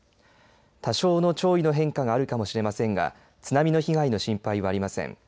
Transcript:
多少の潮位の変化はあるかもしれませんが津波の被害の心配はありません。